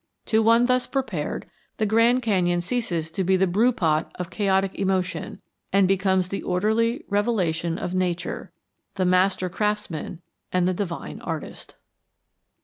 To one thus prepared, the Grand Canyon ceases to be the brew pot of chaotic emotion and becomes the orderly revelation of Nature, the master craftsman and the divine artist.